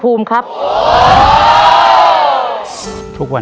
คุณฝนจากชายบรรยาย